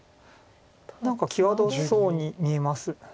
何か際どそうに見えます。